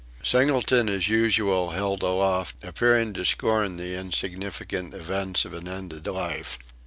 Singleton as usual held aloof, appearing to scorn the insignificant events of an ended life.